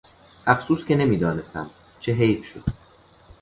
افسوس که نمیدانستم!، چه حیف شد!